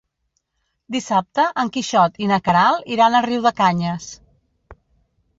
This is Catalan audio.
Dissabte en Quixot i na Queralt iran a Riudecanyes.